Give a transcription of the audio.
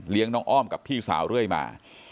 น้องอ้อมกับพี่สาวเรื่อยมา